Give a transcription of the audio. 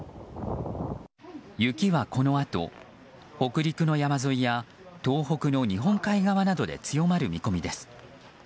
雪はこのあと北陸の山沿いや東北の日本海側などで強まる見込みです。